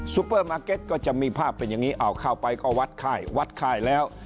เปอร์มาร์เก็ตก็จะมีภาพเป็นอย่างนี้อ้าวเข้าไปก็วัดค่ายวัดค่ายแล้ว